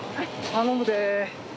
頼むで。